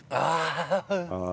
ああ！